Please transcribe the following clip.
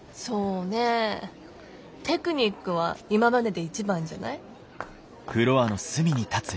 そうねえテクニックは今までで一番じゃない？